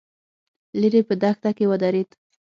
ليرې په دښته کې ودرېد.